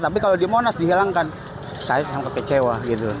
tapi kalau di monas dihilangkan saya sangat kecewa